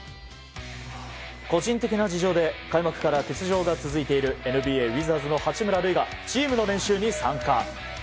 個人的な事情で開幕から欠場が続いているＮＢＡウィザーズの八村塁がチームの練習に参加。